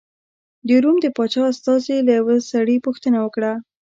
د روم د پاچا استازي له یوه سړي پوښتنه وکړه.